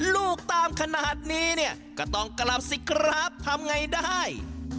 ลูกตามขนาดนี้เนี่ยก็ต้องกลับสิครับทำไงได้